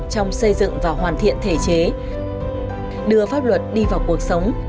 trong xây dựng và hoàn thiện thể chế đưa pháp luật đi vào cuộc sống